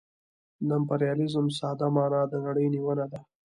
د امپریالیزم ساده مانا د نړۍ نیونه ده